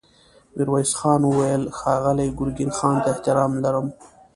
ميرويس خان وويل: ښاغلي ګرګين خان ته احترام لرم.